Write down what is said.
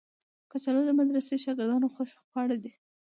کچالو د مدرسې د شاګردانو خوښ خواړه دي